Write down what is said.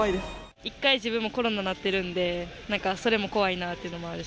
１回自分もコロナなってるんで、なんかそれも怖いなっていうのもあるし。